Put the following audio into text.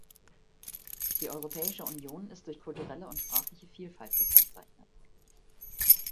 Die Europäische Union ist durch kulturelle und sprachliche Vielfalt gekennzeichnet.